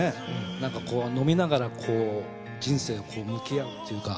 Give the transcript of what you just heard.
なんかこう飲みながらこう人生をこう向き合うっていうか。